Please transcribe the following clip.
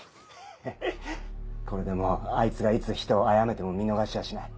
ヘヘヘこれでもうあいつがいつ人を殺めても見逃しはしない。